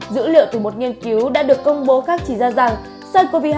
dữ liệu từ một nghiên cứu đã được công bố khác chỉ ra rằng sars cov hai